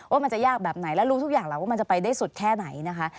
ว่ามันจะยากแบบไหนและรู้ทุกอย่างแล้วว่ามันจะไปได้สุดแค่ไหนนะคะ